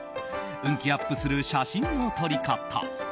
運気アップする写真の撮り方。